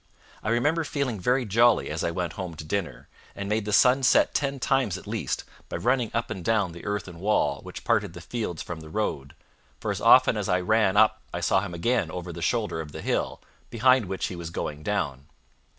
I remember feeling very jolly as I went home to dinner, and made the sun set ten times at least, by running up and down the earthen wall which parted the fields from the road; for as often as I ran up I saw him again over the shoulder of the hill, behind which he was going down.